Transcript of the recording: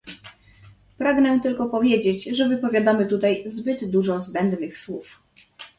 Pragnę tylko powiedzieć, że wypowiadamy tutaj zbyt dużo zbędnych słów